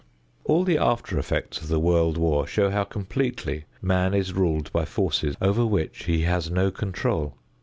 All the after effects of the World War show how completely man is ruled by forces over which he has no control.